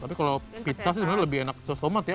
tapi kalau pizza sih sebenarnya lebih enak saus tomat ya